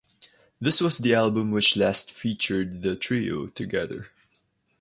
This was the album which last featured the trio together.